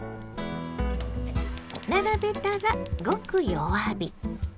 並べたらごく弱火。